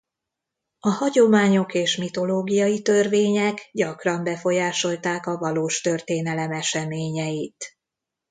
A hagyományok és mitológiai törvények gyakran befolyásolták a valós történelem eseményeit.